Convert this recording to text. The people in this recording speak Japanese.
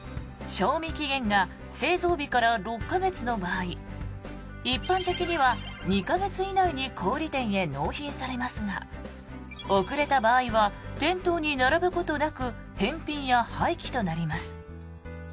賞味期限が製造日から６か月の場合一般的には２か月以内に小売店へ納品されますが遅れた場合は店頭に並ぶことなく返品や廃棄となります。